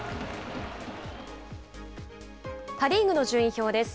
パ・リーグの順位表です。